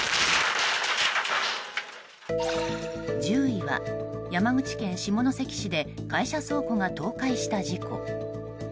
１０位は、山口県下関市で会社倉庫が倒壊した事故。